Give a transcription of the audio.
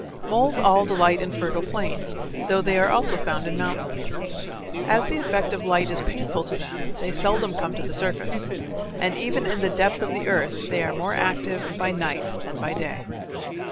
Moles all delight in fertile plains, though they are also found in mountains. As the effect of light is painful to them, they seldom come to the surface, and even in the depth of the earth they are more active by night than by day.